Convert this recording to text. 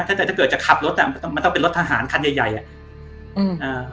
แต่ถ้าเกิดจะขับรถมันต้องเป็นรถทหารคันใหญ่อ่ะอืม